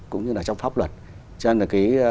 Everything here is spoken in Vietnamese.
cũng như là trong pháp luật cho nên là